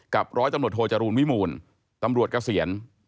ร้อยตำรวจโทจรูลวิมูลตำรวจเกษียณ